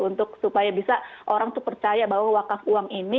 untuk supaya bisa orang itu percaya bahwa wakaf uang ini